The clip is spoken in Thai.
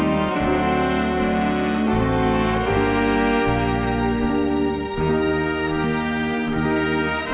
สงสัยสังคม